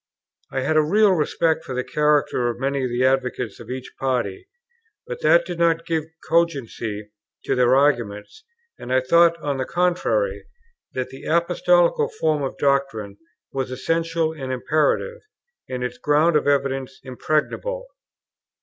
I had a real respect for the character of many of the advocates of each party, but that did not give cogency to their arguments; and I thought, on the contrary, that the Apostolical form of doctrine was essential and imperative, and its grounds of evidence impregnable.